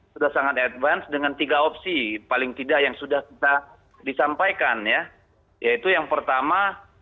sudah sangat advance dengan tiga opsi paling tidak yang sudah kita disampaikan ya yaitu yang pertama